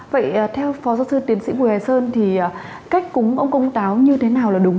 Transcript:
vậy theo phó giáo sư tiến sĩ bùi hoài sơn thì cách cúng ông công táo như thế nào là đúng